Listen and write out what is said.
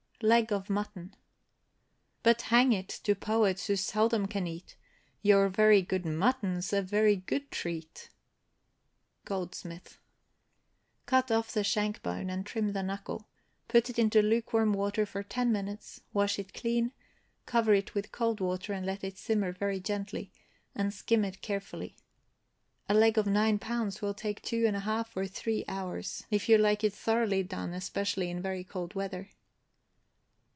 LEG OF MUTTON. But hang it, to poets, who seldom can eat, Your very good mutton's a very good treat. GOLDSMITH. Cut off the shank bone, and trim the knuckle, put it into lukewarm water for ten minutes, wash it clean, cover it with cold water, and let it simmer very gently, and skim it carefully; a leg of nine pounds will take two and a half or three hours, if you like it thoroughly done, especially in very cold weather.